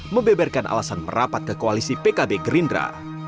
membeberkan alasan merapat ke koalisi pkb gerindra